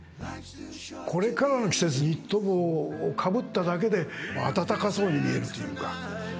これからの季節ニット帽をかぶっただけで暖かそうに見えるというか。